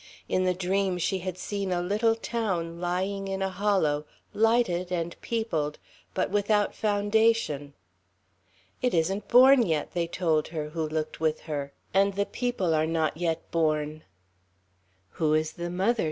In the dream she had seen a little town lying in a hollow, lighted and peopled, but without foundation. "It isn't born yet," they told her, who looked with her, "and the people are not yet born." "Who is the mother?"